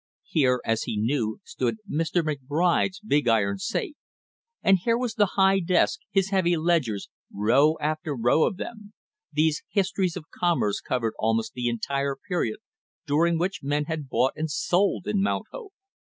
Here, as he knew, stood Mr. McBride's big iron safe, and here was the high desk, his heavy ledgers row after row of them; these histories of commerce covered almost the entire period during which men had bought and sold in Mount Hope.